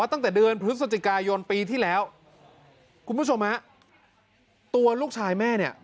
ตั้งแต่เดือนพฤศจิกายนปีที่แล้วคุณผู้ชมฮะตัวลูกชายแม่เนี่ย